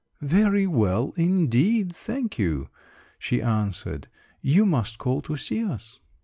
"Very well, indeed, thank you," she answered; "you must call to see us."